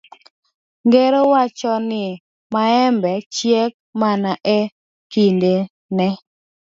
Ngero wacho ni maembe chiek mana e kindene.